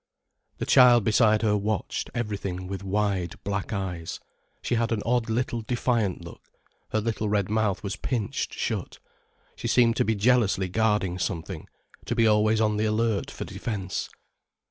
The child beside her watched everything with wide, black eyes. She had an odd little defiant look, her little red mouth was pinched shut. She seemed to be jealously guarding something, to be always on the alert for defence.